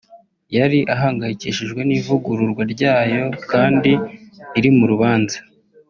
yari ahangayikishijwe n’ivugururwa ryayo kandi iri mu rubanza